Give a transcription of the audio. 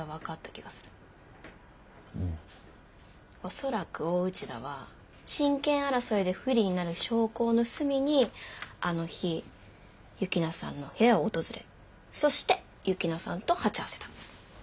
恐らく大内田は親権争いで不利になる証拠を盗みにあの日幸那さんの部屋を訪れそして幸那さんと鉢合わせた。